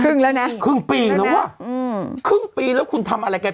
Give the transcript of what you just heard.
ครึ่งแล้วนะครึ่งปีแล้วว่ะครึ่งปีแล้วคุณทำอะไรกันเป็นแล้ว